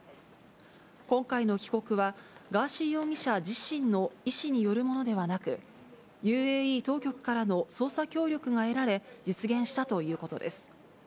今回の帰国は、ガーシー容疑者自身の意思によるものではなく、ＵＡＥ当局からの捜査協力が得られ、実現したということです。